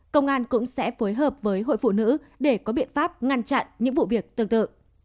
công an cũng sẽ phối hợp với hội phụ nữ để có biện pháp ngăn chặn những vụ việc tương tự